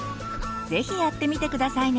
是非やってみて下さいね。